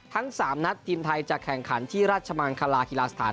ทั้ง๓นัดทีมไทยจะแข่งขันที่ราชมังคลาฮิลาสถาน